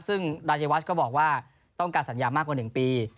ซึ่งรายวัชก็บอกว่าต้องการสัญญามากกว่า๑ปี